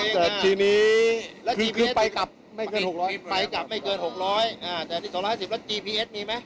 และชีวิตหลังขึ้นคือไปกลับไม่เกิน๖๐๐กับไม่เกิน๖๐๐อย่างตรงนี้